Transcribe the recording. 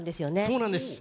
そうなんです。